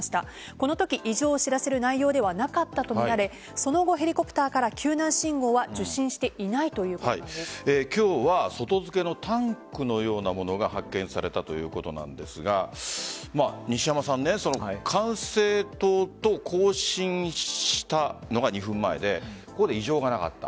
このとき異常を知らせる内容ではなかったとみられその後ヘリコプターから救難信号は受信していない今日は外付けのタンクのような物が発見されたということなんですが管制塔と交信したのが２分前でここで異常がなかった。